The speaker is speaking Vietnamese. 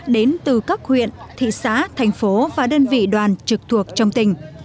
đến từ các huyện thị xã thành phố và đơn vị đoàn trực thuộc trong tỉnh